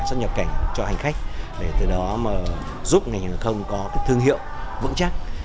sắp nhập cảnh cho hành khách để từ đó giúp hãng hàng không có thương hiệu vững chắc